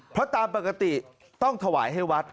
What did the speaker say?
เพราะตามปกติต้องถวายให้วัด